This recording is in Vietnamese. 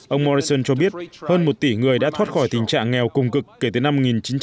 ông morrison cho biết hơn một tỷ người đã thoát khỏi tình trạng nghèo cùng cực kể từ năm một nghìn chín trăm chín mươi